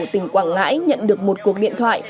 tỉnh quảng ngãi nhận được một cuộc điện thoại